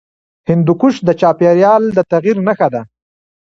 هندوکش د چاپېریال د تغیر نښه ده.